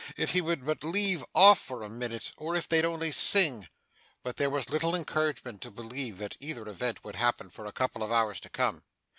If he would but leave off for a minute, or if they'd only sing!' But there was little encouragement to believe that either event would happen for a couple of hours to come.